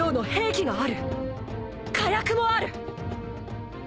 火薬もある。